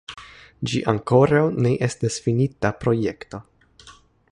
Ĝi ankoraŭ ne estas finita projekto.